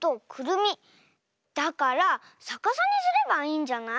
だからさかさにすればいいんじゃない？